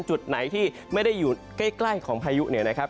จุดไหนที่ไม่ได้อยู่ใกล้ของพายุเนี่ยนะครับ